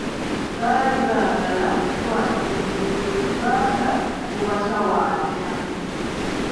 Baali baagala kukwata muzimu gwe kubanga gubatawaanya.